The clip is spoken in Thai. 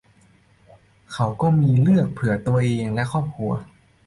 เขาก็มีเลือกเพื่อตัวเองและครอบครัว